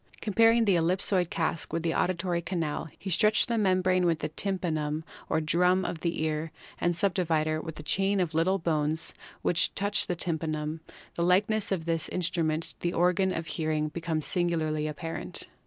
Comparing the ellipsoid cask with the auditory canal, the stretched membrane with the tympanum or drum of the ear and the subdivider with the chain of little bones which touch the tympanum, the likeness of this in strument to the organ of hearing becomes singularly apparent.